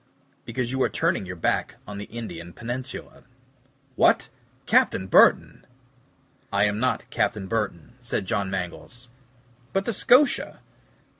"Because you are turning your back on the Indian peninsula." "What! Captain Burton." "I am not Captain Burton," said John Mangles. "But the SCOTIA."